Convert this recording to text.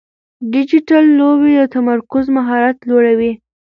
ډیجیټل لوبې د تمرکز مهارت لوړوي.